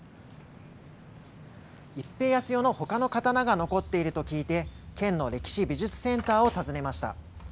一平安代のほかの刀が残っていると聞いて、県の歴史美術センターを訪ねました。